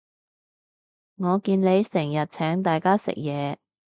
我見你成日請大家食嘢